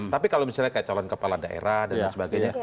tapi kalau misalnya kayak calon kepala daerah dan sebagainya